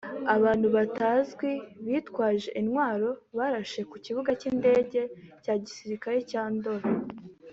Abantu batazwi bitwaje intwaro barashe ku kibuga cy’indege cya gisirikare cya Ndolo